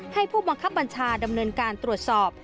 ผู้บังคับบัญชาดำเนินการตรวจสอบ